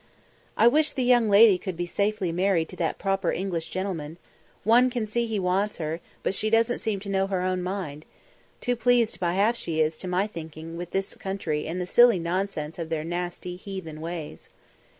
"I wish the young lady could be safely married to that proper English gentleman. One can see he wants her, but she doesn't seem to know her own mind. Too pleased by half she is, to my thinking, with this country and the silly nonsense of their nasty, heathen ways!"